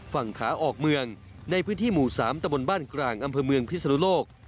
ฝั่งขาออกเมืองในพื้นที่หมู่๓ตะบนบ้านกลางอำเภอเมืองพิศนุโลก